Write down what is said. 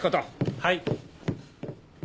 はい。